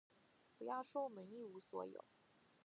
不要说我们一无所有，